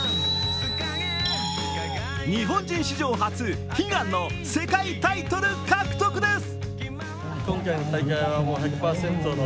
日本人史上初、悲願の世界タイトル獲得です。